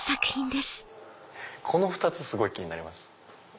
この２つすごい気になります。